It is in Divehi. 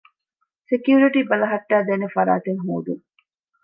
ސެކިއުރިޓީ ބަލަހައްޓައިދޭނެ ފަރާތެއް ހޯދުން